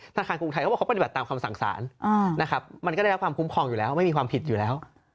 ธนาคารกรุงไทยเขาบอกเขาปฏิบัติตามคำสั่งสารนะครับมันก็ได้รับความคุ้มครองอยู่แล้วไม่มีความผิดอยู่แล้ว